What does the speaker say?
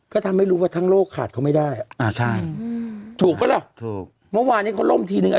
ก็ทำให้รู้ว่าทั้งโลกขาดเขาไม่ได้อะถูกมั้ยล่ะเมื่อวานเนี่ยเขาร่มทีนึง